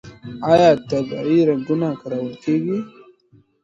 آیا طبیعي رنګونه کارول کیږي؟